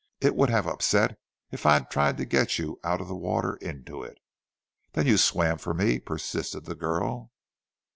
"It would have upset if I had tried to get you out of the water into it." "Then you swam for me?" persisted the girl.